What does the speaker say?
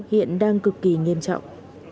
hiện đang cực kỳ nghiêm trọng